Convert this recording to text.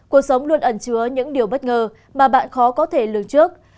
cuộc sống luôn ẩn chứa những điều bất ngờ mà bạn khó có thể lường trước